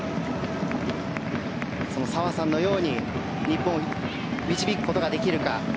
その澤さんのように日本を導くことができるか。